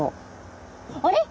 あれ？